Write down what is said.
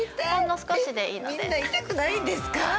みんな痛くないんですか？